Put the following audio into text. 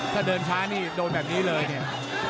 ถ้าเดินช้านี่โดนแบบนี้เลยเนี่ย